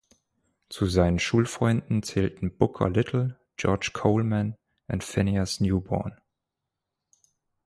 Zu seinen Schulfreunden zählten Booker Little, George Coleman und Phineas Newborn.